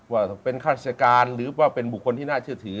ว่าเป็นฆาติการหรือว่าเป็นบุคคลที่น่าเชื่อถือ